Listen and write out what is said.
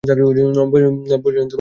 বলিলেন, হাসি কিসের জন্য!